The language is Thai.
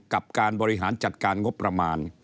กับการบริหารจัดการงบประมาณ